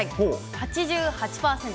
８８％。